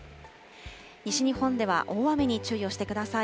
西日本では大雨に注意をしてください。